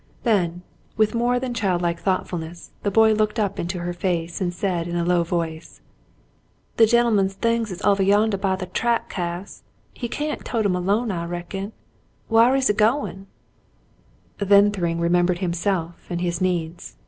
Then, with more than child V 4 The Mountain Girl like thoughtfulness, the boy looked up into her face and said in a low voice :— *'The gen'l'man's things is ovah yandah by the track, Cass. He cyant tote 'em alone, I reckon. Whar is he goin'?" Then Thryng remembered himself and his needs.